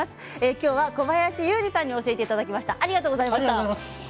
きょうは小林雄二さんに教えていただきました。